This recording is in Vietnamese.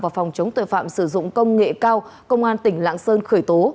và phòng chống tội phạm sử dụng công nghệ cao công an tỉnh lạng sơn khởi tố